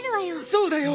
そうだよ。